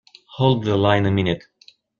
Hold the line a minute.